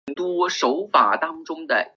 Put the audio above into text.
蜂须贺氏是日本的氏族。